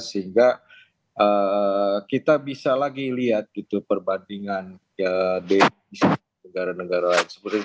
sehingga kita bisa lagi lihat gitu perbandingan di negara negara lain